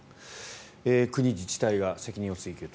国、自治体が責任を追及と。